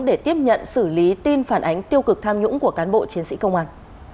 để tiếp nhận xử lý tin phản ánh tiêu cực tham nhũng của cán bộ chiến sĩ công an